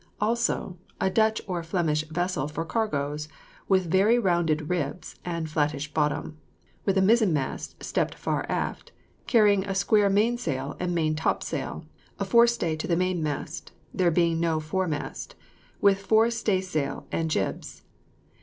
Also, a Dutch or Flemish vessel for cargoes, with very rounded ribs and flattish bottom, with a mizen mast stept far aft, carrying a square mainsail and main topsail, a fore stay to the main mast (there being no fore mast), with fore staysail and jibs.